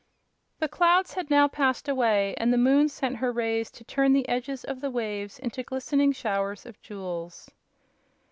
The clouds had now passed away and the moon sent her rays to turn the edges of the waves into glistening showers of jewels.